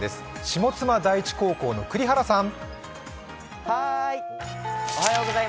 下妻第一高等学校の栗原さん。